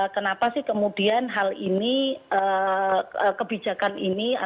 kenapa sih kemudian hal ini kebijakan ini atau dibutuhkan